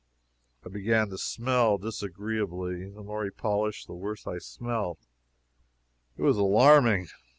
I began to smell disagreeably. The more he polished the worse I smelt. It was alarming.